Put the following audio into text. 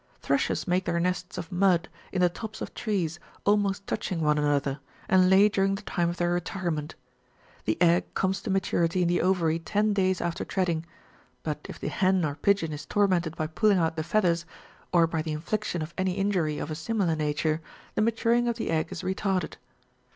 Thrushes make their nests of mud, in the tops of trees, almost touching one another, and lay during the time of their retirement. The egg comes to maturity in the ovary ten days after treading ; but if the hen or pigeon is tor mented by pulling out the feathers, or by the infliction of any injury of a similar nature, the maturing of the egg is retarded.